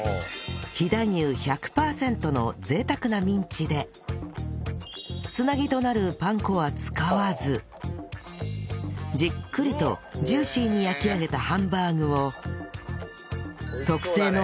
飛騨牛１００パーセントの贅沢なミンチでつなぎとなるパン粉は使わずじっくりとジューシーに焼き上げたハンバーグを